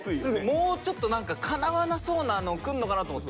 もうちょっと何かかなわなそうなのくんのかなと思ってたらすぐ。